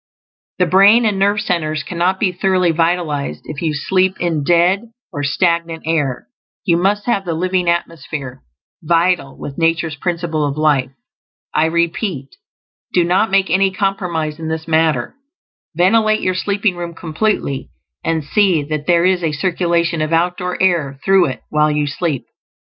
The brain and nerve centers cannot be thoroughly vitalized if you sleep in "dead" or stagnant air; you must have the living atmosphere, vital with nature's Principle of Life. I repeat, do not make any compromise in this matter; ventilate your sleeping room completely, and see that there is a circulation of outdoor air through it while you sleep.